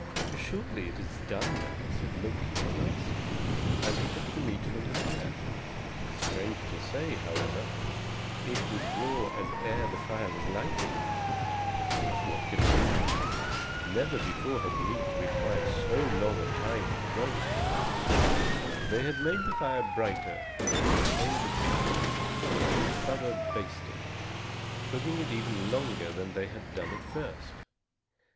"Surely, it is done now," said Loki, at last; and he took the meat from the fire. Strange to say, however, it was raw as ere the fire was lighted. What could it mean? Never before had meat required so long a time to roast. They made the fire brighter and re hung the beef for a thorough basting, cooking it even longer than they had done at first.